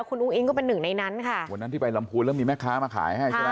คุณอุ้งอิงก็เป็นหนึ่งในนั้นค่ะวันนั้นที่ไปลำพูนแล้วมีแม่ค้ามาขายให้ใช่ไหม